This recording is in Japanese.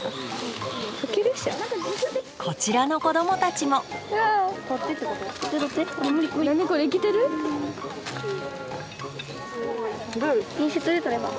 こちらの子どもたちもどれ？